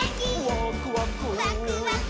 「ワクワク」ワクワク。